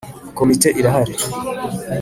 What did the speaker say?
Komite irahari.